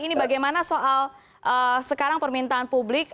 ini bagaimana soal sekarang permintaan publik